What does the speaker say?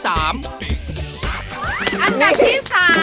อันดับที่๓